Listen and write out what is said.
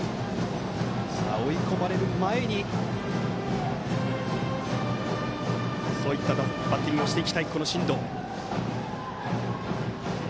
さあ、追い込まれる前にそういったバッティングをしていきたい進藤。